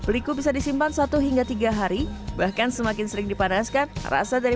peliku bisa disimpan satu hingga tiga hari bahkan semakin sering dipanaskan rasa dari